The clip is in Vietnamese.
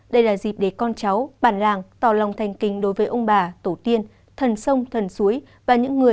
đây là dịp để con cháu bản làng tỏ lòng thành kính đối với ông bà tổ tiên thần sông thần suối và những người